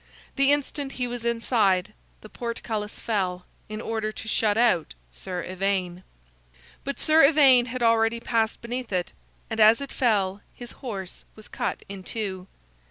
The instant he was inside, the portcullis fell, in order to shut out Sir Ivaine. But Sir Ivaine had already passed beneath it, and as it fell his horse was cut in two.